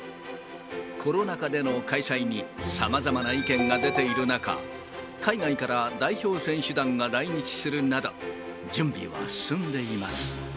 コロナ禍での開催に、さまざまな意見が出ている中、海外から代表選手団が来日するなど、準備は進んでいます。